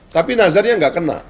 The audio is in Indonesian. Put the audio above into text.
tapi nazarnya nggak kena